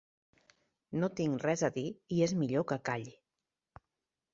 No tinc res a dir i és millor que calli.